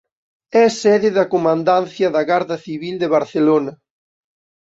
É sede da Comandancia da Garda Civil de Barcelona.